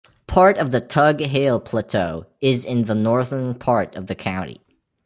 Part of the Tug Hill Plateau is in the northern part of the county.